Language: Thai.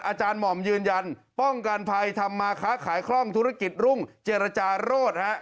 หม่อมยืนยันป้องกันภัยทำมาค้าขายคล่องธุรกิจรุ่งเจรจาโรดฮะ